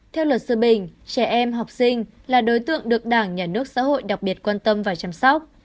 theo luật sư bình trẻ em học sinh là đối tượng được đảng nhà nước xã hội đặc biệt quan tâm và chăm sóc